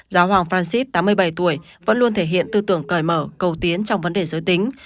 giáo hoàng francis tám mươi bảy tuổi vẫn luôn thể hiện tư tưởng cởi mở cầu tiến trong vấn đề giới tính